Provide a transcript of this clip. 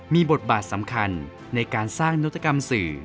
มีบทบาทสำคัญในการสร้างนวัตกรรมสื่อ